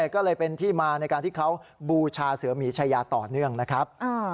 ก็เลยเป็นที่มาในการที่เขาบูชาเสือหมีชายาต่อเนื่องนะครับ